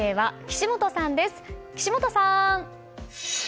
岸本さん。